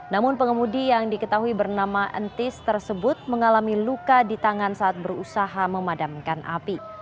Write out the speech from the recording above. namun pengemudi yang diketahui bernama entis tersebut mengalami luka di tangan saat berusaha memadamkan api